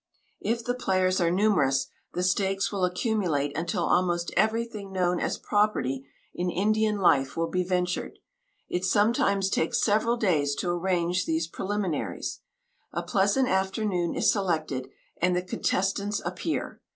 If the players are numerous, the stakes will accumulate until almost everything known as property in Indian life will be ventured. It sometimes takes several days to arrange these preliminaries. A pleasant afternoon is selected, and the contestants appear.